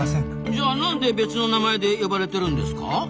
じゃあなんで別の名前で呼ばれてるんですか？